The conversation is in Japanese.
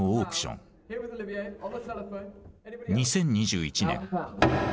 ２０２１年。